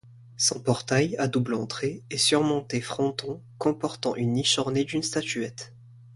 Son portail, à double entrée, est surmonté fronton, comportant une niche ornée d'une statuette.